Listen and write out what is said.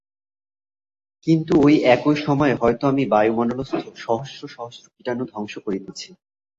কিন্তু ঐ একই সময়ে হয়তো আমি বায়ুমণ্ডলস্থ সহস্র সহস্র কীটাণু ধ্বংস করিতেছি।